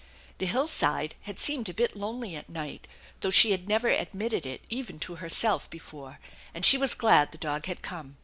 The hillside had seemed a bit lonely at night, though she had never admitted it even to herself before, and she was glad the iog had come.